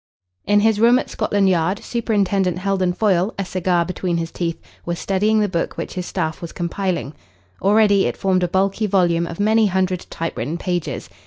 In his room at Scotland Yard Superintendent Heldon Foyle, a cigar between his teeth, was studying the book which his staff was compiling. Already it formed a bulky volume of many hundred typewritten pages.